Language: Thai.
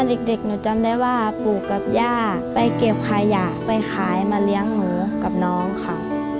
เด็กหนูจำได้ว่าปู่กับย่าไปเก็บขยะไปขายมาเลี้ยงหนูกับน้องค่ะ